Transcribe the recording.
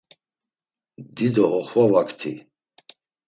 Dido oxvavakti.